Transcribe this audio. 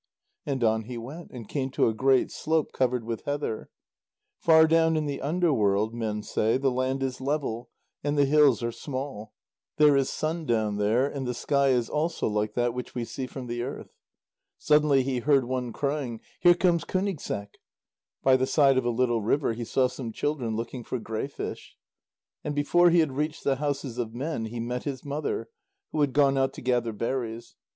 And on he went, and came to a great slope covered with heather. Far down in the underworld, men say, the land is level, and the hills are small; there is sun down there, and the sky is also like that which we see from the earth. Suddenly he heard one crying: "Here comes Kúnigseq." By the side of a little river he saw some children looking for greyfish. And before he had reached the houses of men, he met his mother, who had gone out to gather berries.